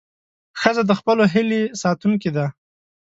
ښځه د خپلو هیلې ساتونکې ده.